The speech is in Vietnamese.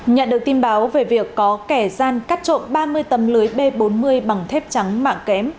nhận được tin báo về việc có kẻ gian cắt trộm ba mươi tấm lưới b bốn mươi bằng thép trắng mạng kém